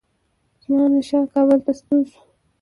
زمانشاه کابل ته ستون شو.